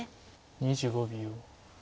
２５秒。